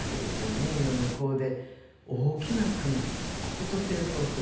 海の向こうで大きな国ここと戦争する。